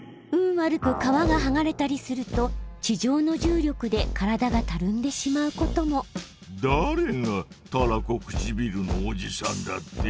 悪く皮がはがれたりすると地上の重力でからだがたるんでしまうこともだれがたらこくちびるのおじさんだって？